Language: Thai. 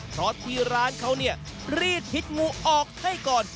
เพราะที่ร้านเขาเนี่ยรีดพิษงูออกให้ก่อน